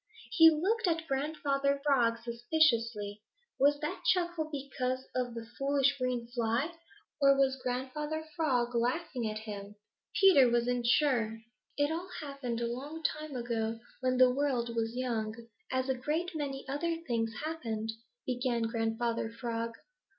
He looked at Grandfather Frog suspiciously. Was that chuckle because of the foolish green fly, or was Grandfather Frog laughing at him? Peter wasn't sure. "It all happened a long time ago when the world was young, as a great many other things happened," began Grandfather Frog.